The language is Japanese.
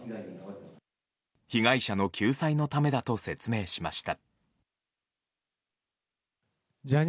被害者の救済のためだと説明しました。